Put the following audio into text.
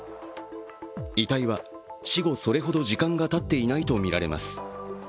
遺体は死後それほど時間がたっていないとみられます。